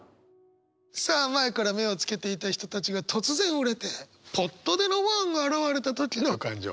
さあ前から目をつけていた人たちが突然売れてポッと出のファンが現れた時の感情。